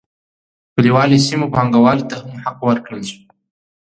کلیوالو سیمو پانګوالو ته هم حق ورکړل شو.